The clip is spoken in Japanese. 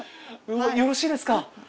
よろしいですか？